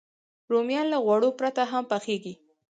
رومیان له غوړو پرته هم پخېږي